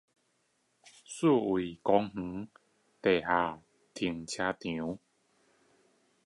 四維公園地下停車場